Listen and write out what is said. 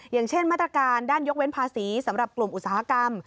อย่างเช่นมาตรการด้านยกเว้นภาษีสำหรับกลุ่มอุตสาหกรรม